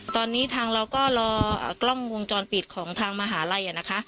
ตอนนี้ทางเราก็รอกล้องวงจรปิดของทางมหาลัยนะคะ